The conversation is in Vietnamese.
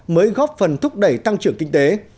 mới góp phần thúc đẩy tăng trưởng kinh tế